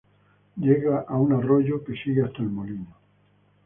Llega a un arroyo, que sigue hasta el molino.